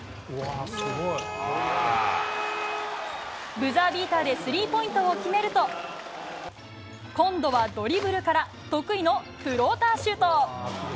ブザービーターでスリーポイントを決めると今度はドリブルから得意のフローターシュート。